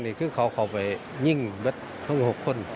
นี่คือเขาเข้าไปยิงรถทั้ง๖คน